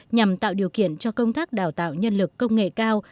nhằm tạo điều kiện cho công tác đào tạo nhân lực công nghệ cao